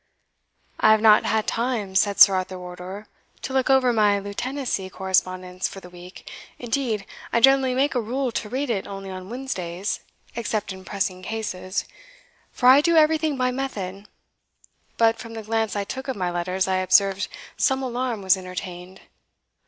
"I have not had time," said Sir Arthur Wardour, "to look over my lieutenancy correspondence for the week indeed, I generally make a rule to read it only on Wednesdays, except in pressing cases, for I do everything by method; but from the glance I took of my letters, I observed some alarm was entertained."